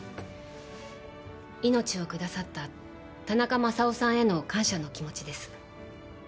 命をくださった田中マサオさんへの感謝の気持ちです。